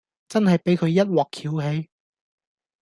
真係俾佢一鑊蹺起